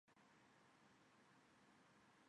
当地庄庙是主祀池府千岁的北势代天府。